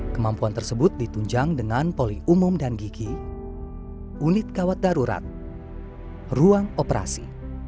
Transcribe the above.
kemampuan tersebut ditunjang dengan poli umum dan gigi unit kawat darurat ruang operasi